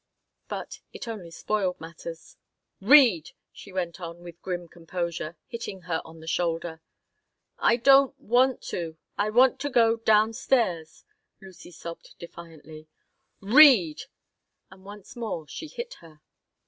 But it only spoiled matters "Read!" she went on, with grim composure, hitting her on the shoulder "I don't want to! I want to go down stairs," Lucy sobbed, defiantly "Read!" And once more she hit her.